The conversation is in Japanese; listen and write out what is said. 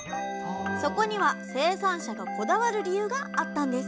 そこには生産者がこだわる理由があったんです